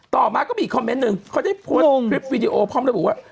ต่อมาก็มีคอมเมนต์หนึ่งเขาได้โพสต์คลิปวิดีโอพร้อมระบุว่า